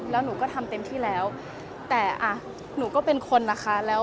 แล้วหนูก็ทำเต็มที่แล้วแต่อ่ะหนูก็เป็นคนนะคะ